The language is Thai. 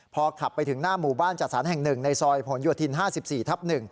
พอขับไปถึงหน้าหมู่บ้านจัดสรรแห่งหนึ่งในซอยผลโยธิน๕๔ทับ๑